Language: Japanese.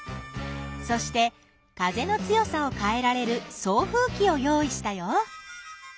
そして風の強さをかえられる送風きをよういしたよ。